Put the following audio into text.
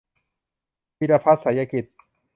พีรพัฒน์ ไสยกิจ